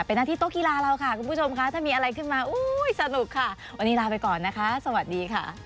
โปรดติดตามตอนต่อไป